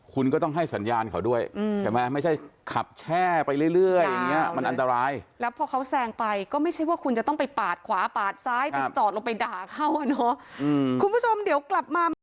คุณก็ต้องให้สัญญาณเขาด้วยอืม